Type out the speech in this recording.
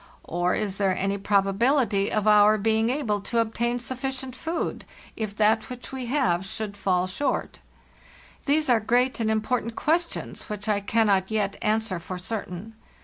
Or is there any probability of our be ing able to obtain sufficient food, if that which we have should fall short?) These are great and important ques tions which I cannot yet answer for certain.